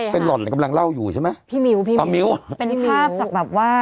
เป็นหล่อนกำลังเล่าอยู่ใช่ไหมพี่มิ้วพี่มิ้วป้ามิ้วเป็นภาพจากแบบว่า